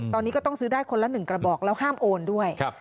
ตอนนี้ก็ต้องซื้อได้คนละ๑กระบอกแล้วห้ามโอนด้วย